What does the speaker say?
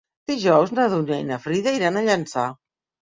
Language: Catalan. Dijous na Dúnia i na Frida iran a Llançà.